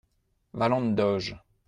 - Valente doge.